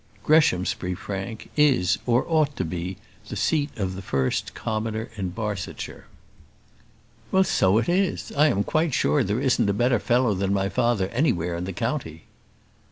"Greshamsbury, Frank, is, or at any rate ought to be, the seat of the first commoner in Barsetshire. "Well; so it is. I am quite sure there isn't a better fellow than father anywhere in the county."